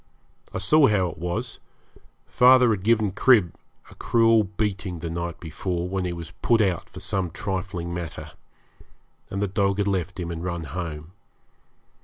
I saw how it was; father had given Crib a cruel beating the night before, when he was put out for some trifling matter, and the dog had left him and run home.